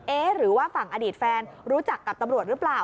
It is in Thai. หรือว่าฝั่งอดีตแฟนรู้จักกับตำรวจหรือเปล่า